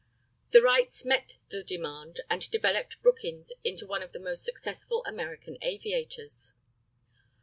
The Wrights met the demand, and developed Brookins into one of the most successful American aviators.